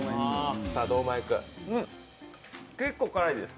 結構辛いです。